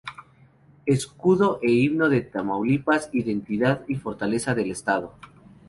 Escudo e Himno de Tamaulipas: Identidad y Fortaleza del Estado.